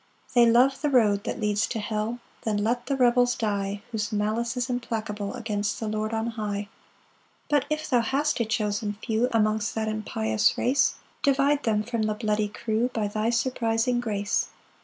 6 They love the road that leads to hell; Then let the rebels die Whose malice is implacable Against the Lord on high. 7 But if thou hast a chosen few Amongst that impious race, Divide them from the bloody crew By thy surprising grace.